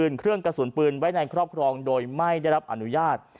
เครื่องกระสุนปืนไว้ในครอบครองโดยไม่ได้รับอนุญาต